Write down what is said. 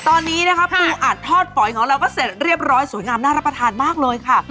ตอนนี้นะคะปูอัดทอดฝอยของเราก็เสร็จเรียบร้อยสวยงามน่ารับประทานมากเลยค่ะ